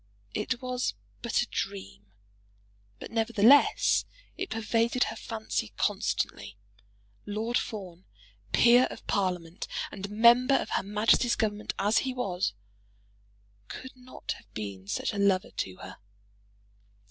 It was but a dream, but nevertheless it pervaded her fancy constantly. Lord Fawn, peer of Parliament, and member of Her Majesty's Government, as he was, could not have been such a lover to her.